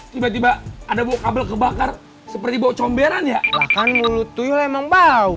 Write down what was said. tiba tiba ada bau kabel kebakar seperti bau comberan ya kan mulut tuh emang bau